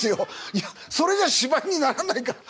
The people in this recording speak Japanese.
いやそれじゃ芝居にならないから。